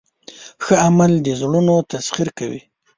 ښه عمل د زړونو تسخیر کوي.